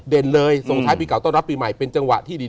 เลยส่งท้ายปีเก่าต้อนรับปีใหม่เป็นจังหวะที่ดี